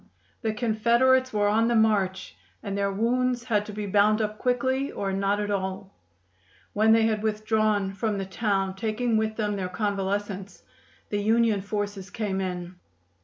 The Confederates were on the march, and their wounds had to be bound up quickly or not at all. When they had withdrawn from the town, taking with them their convalescents, the Union forces came in.